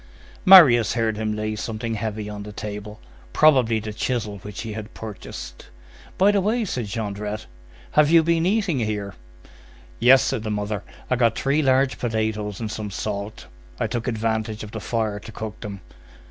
Marius heard him lay something heavy on the table, probably the chisel which he had purchased. "By the way," said Jondrette, "have you been eating here?" "Yes," said the mother. "I got three large potatoes and some salt. I took advantage of the fire to cook them."